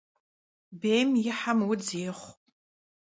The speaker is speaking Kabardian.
Bêym yi he vudz yêxhu.